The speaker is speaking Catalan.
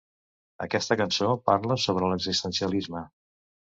Aquesta cançó parla sobre l'existencialisme.